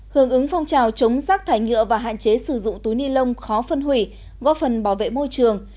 hưởng ứng phong trào chống rác thải nhựa và hạn chế sử dụng túi ni lông khó phân hủy góp phần bảo vệ môi trường